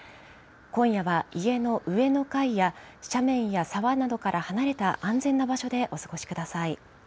今夜は家の上の階や斜面や沢などから離れた、安全な場所でお過ごしください。